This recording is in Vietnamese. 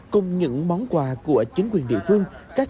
cùng những món quà của chính quyền địa phương